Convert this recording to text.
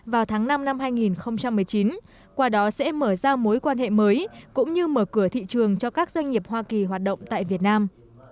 vào tháng năm năm hai nghìn một mươi chín qua đó sẽ mở ra mối quan hệ mới cũng như mở cửa thị trường cho các doanh nghiệp hoa kỳ hoạt động tại việt nam